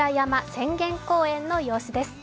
浅間公園の様子です。